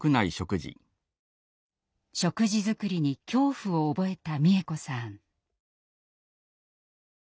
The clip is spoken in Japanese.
食事作りに恐怖を覚えた美枝子さん。